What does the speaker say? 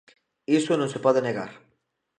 Iso non se pode negar.